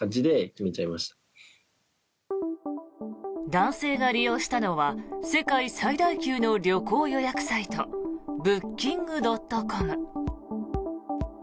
男性が利用したのは世界最大級の旅行予約サイトブッキングドットコム。